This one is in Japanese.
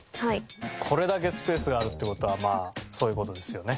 これだけスペースがあるっていう事はまあそういう事ですよね。